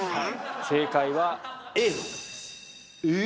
正解はＡ。え